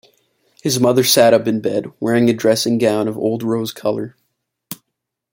His mother sat up in bed, wearing a dressing-gown of old-rose colour.